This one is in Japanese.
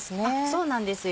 そうなんですよ。